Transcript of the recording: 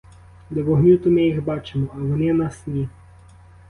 До вогню то ми їх бачимо, а вони нас ні.